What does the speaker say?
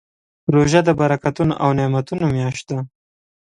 روژه د برکتونو او نعمتونو میاشت ده.